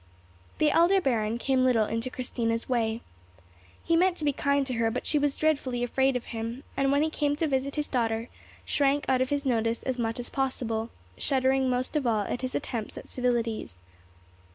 The elder baron came little into Christina's way. He meant to be kind to her, but she was dreadfully afraid of him, and, when he came to visit his daughter, shrank out of his notice as much as possible, shuddering most of all at his attempts at civilities.